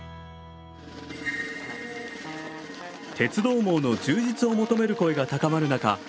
鉄道網の充実を求める声が高まる中